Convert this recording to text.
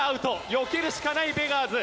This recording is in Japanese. よけるしかないベガーズ。